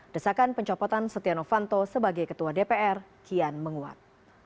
desakan pencopotan setia novanto sebagai ketua dpr kian menguat